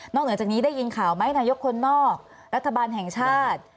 เหนือจากนี้ได้ยินข่าวไหมนายกคนนอกรัฐบาลแห่งชาติ